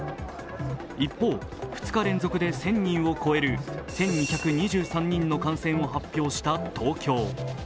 一方、２日連続で１０００人を超える１２２３人の感染を発表した東京。